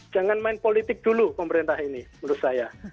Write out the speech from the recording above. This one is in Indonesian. jangan main politik dulu pemerintah ini menurut saya